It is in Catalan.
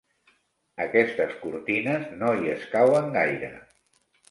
Aquestes cortines no hi escauen gaire.